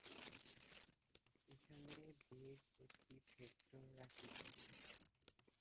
এখানে বেগ একটি ভেক্টর রাশি।